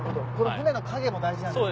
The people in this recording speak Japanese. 船の影も大事なんですね。